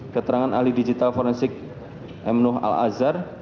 keterangan alih digital forensik emnoh al azhar